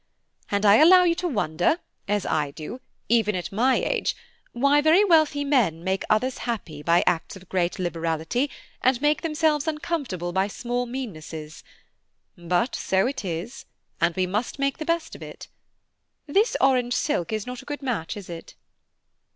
And I allow you to wonder, as I do, even at my age, why very wealthy men make many others happy by acts of great liberality, and make themselves uncomfortable by small meannesses; but so it is, and we must make the best of it. This orange silk is not a good match, is it?"